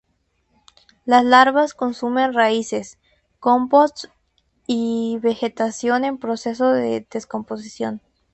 Las larvas consumen raíces, compost y vegetación en proceso de descomposición.